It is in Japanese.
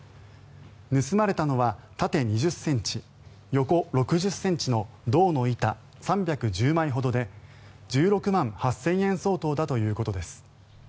盗まれたのは縦２０ｃｍ、横６０ｃｍの銅の板３１０枚ほどで１６万８０００円相当だということです。